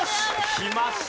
きました！